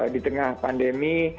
di tengah pandemi